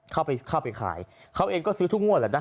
เข้าไปเข้าไปขายเขาเองก็ซื้อทุกงวดแหละนะ